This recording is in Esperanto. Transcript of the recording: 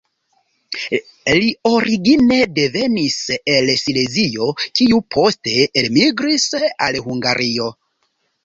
Li origine devenis el Silezio kiu poste elmigris al Hungario.